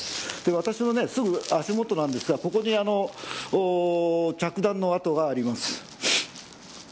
私の足元ですがここに着弾の跡があります。